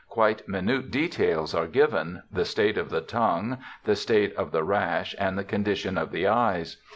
Quite minute details are given — the state of the tongue, the state of the rash, and the condition of the eyes.